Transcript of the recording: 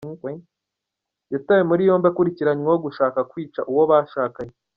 Yatawe muri yombi akurikiranyweho gushaka kwica uwo bashakanye